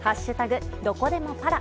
どこでもパラ」。